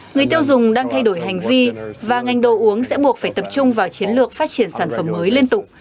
người tiêu dùng đang thay đổi hành vi và ngành đồ uống sẽ buộc phải tập trung vào chiến lược phát triển sản phẩm mới liên tục